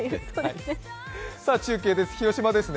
中継です、広島です。